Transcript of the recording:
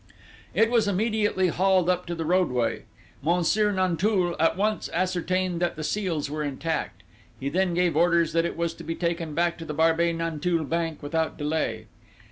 "It was immediately hauled up to the roadway. Monsieur Nanteuil at once ascertained that the seals were intact. He then gave orders that it was to be taken back to the Barbey Nanteuil bank without delay.